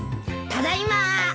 ただいま。